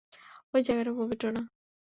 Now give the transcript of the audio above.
ওই জায়গাটা পবিত্র না।